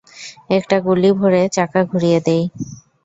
একটা গুলি ভরে চাকা ঘুরিয়ে দেই।